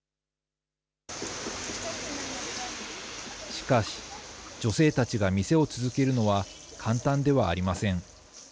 しかし、女性たちが店を続けるのは、簡単ではありません。